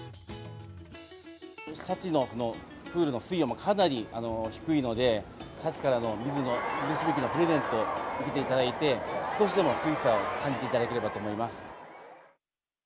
シャチのプールの水温もかなり低いので、シャチからの水しぶきのプレゼントを受けていただいて、少しでも涼しさを感じていただければと思います。